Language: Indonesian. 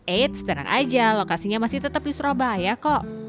eits tenang aja lokasinya masih tetap di surabaya kok